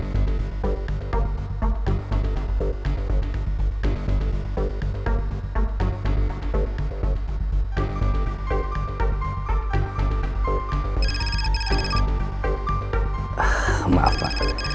ah maaf pak